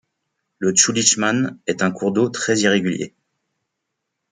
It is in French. Le Tchoulychman est un cours d'eau très irrégulier.